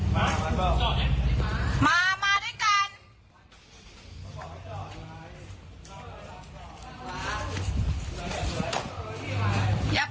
มามาได้กัน